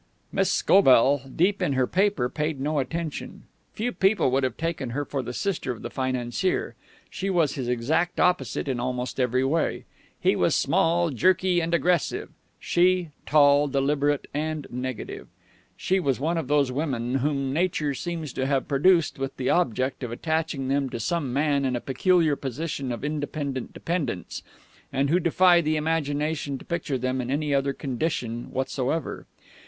Miss Scobell, deep in her paper, paid no attention. Few people would have taken her for the sister of the financier. She was his exact opposite in almost every way. He was small, jerky and aggressive; she, tall, deliberate and negative. She was one of those women whom nature seems to have produced with the object of attaching them to some man in a peculiar position of independent dependence, and who defy the imagination to picture them in any other condition whatsoever.